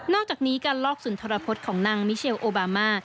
อกจากนี้การลอกสุนทรพฤษของนางมิเชลโอบามา